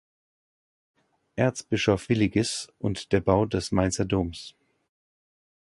Erzbischof Willigis und der Bau des Mainzer Doms".